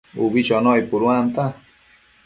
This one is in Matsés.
Ubi chonobi puduanta